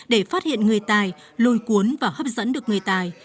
để phát hiện người tài lôi cuốn và hấp dẫn được người tài